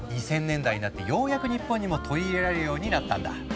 ２０００年代になってようやく日本にも取り入れられるようになったんだ。